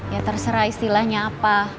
ya terserah istilahnya apa